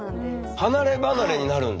離れ離れになるんだ。